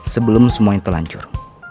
sebelum semuanya terlancur